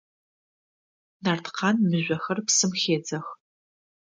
Нарткъан мыжъохэр псым хедзэх.